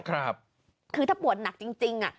คือถ้าปวดหนักจริง